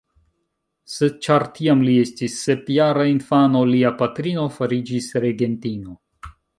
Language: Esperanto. Sed ĉar tiam li estis sepjara infano, lia patrino fariĝis regentino.